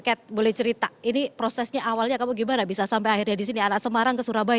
ket boleh cerita ini prosesnya awalnya kamu gimana bisa sampai akhirnya di sini anak semarang ke surabaya